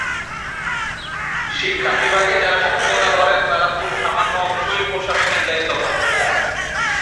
শিক্ষা বিভাগে যাঁরা শিক্ষকতা করেন, তার খুব সামান্য অংশই প্রশাসনিক দায়িত্ব পান।